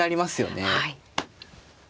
はい。